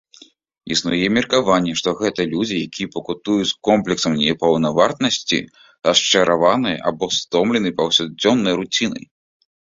Існуе меркаванне, што гэта людзі, якія пакутуюць комплексам непаўнавартаснасці, расчараваныя або стомленыя паўсядзённай руцінай.